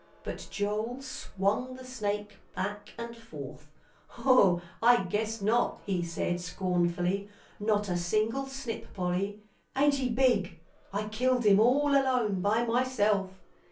But Joel swung the snake back and forth. "Hoh, I guess not!" he said scornfully, "not a single snip, Polly. Ain't he big! I killed him all alone by myself."